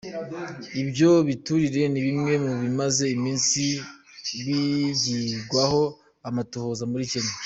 Ivyo biturire ni bimwe mu bimaze imisi bigirwako amatohoza muri Kenya.